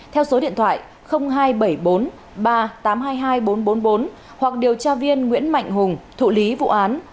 theo số điện thoại hai nghìn bảy trăm bốn mươi ba tám trăm hai mươi hai nghìn bốn trăm bốn mươi bốn hoặc điều tra viên nguyễn mạnh hùng thụ lý vụ án